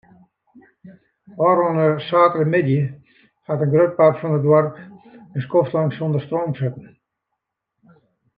Ofrûne saterdeitemiddei hat in grut part fan it doarp in skoftlang sûnder stroom sitten.